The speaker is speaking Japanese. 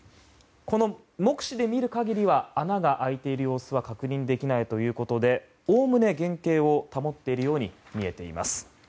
目視で見る限りは穴が開いている様子は確認できないということでおおむね原形を保っているように見えています。